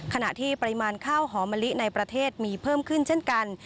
ขณะที่ปริมาณข้าวหอมะลิในประเทศมีเพิ่มขึ้นเช่นกัน